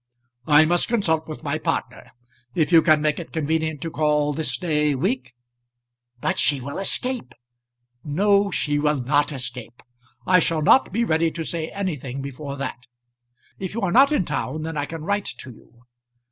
"I must consult with my partner. If you can make it convenient to call this day week " "But she will escape." "No, she will not escape. I shall not be ready to say anything before that. If you are not in town, then I can write to you."